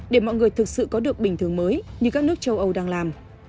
để mọi người thực sự có được bình thường mới như các nước châu âu đang làm